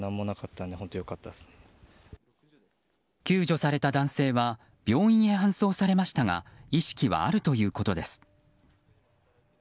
救助された男性は病院へ搬送されましたが意識はあるということです。